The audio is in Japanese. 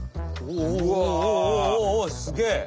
おすげえ！